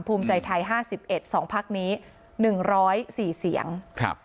ภูมิใจไทยห้าสิบเอ็ดสองพักนี้หนึ่งร้อยสี่เสียงครับ